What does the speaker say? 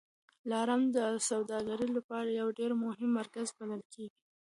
دلارام د سوداګرۍ لپاره یو ډېر مهم مرکز بلل کېږي.